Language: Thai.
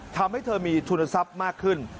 ทำให้เธอมีทุนทรัพย์มากขึ้น